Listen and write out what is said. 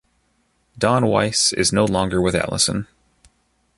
Don Weise is no longer with Alyson.